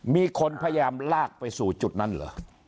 มีคนพยายามลากไปสู่จุดนั้นเหรอ